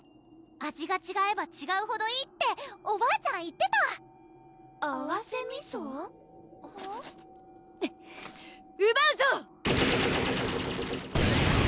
味がちがえばちがうほどいいっておばあちゃん言ってた合わせみそ？くっウバウゾー！